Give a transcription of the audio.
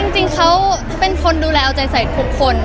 จริงเขาเป็นคนดูแลเอาใจใส่ทุกคน